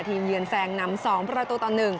เยือนแซงนำ๒ประตูต่อ๑